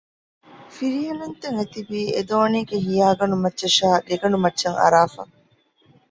ފިރިހެނުންތައް އެތިބީ އެދޯނީގެ ހިޔާގަނޑު މައްޗަށާއި ގެގަނޑުމައްޗަށް އަރާފަ